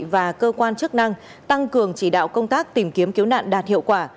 và cơ quan chức năng tăng cường chỉ đạo công tác tìm kiếm cứu nạn đạt hiệu quả